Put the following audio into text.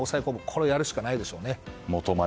これをやるしかないでしょうね。